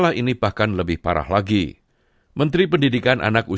kami tidak akan bisa mencari penyelesaian